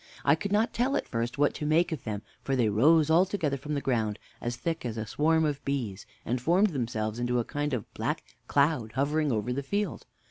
I could not tell at first what to make of them; for they rose all together from the ground as thick as a swarm of bees, and formed themselves into a kind of black cloud, hovering over the field.